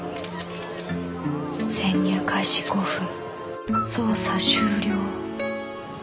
潜入開始５分捜査終了。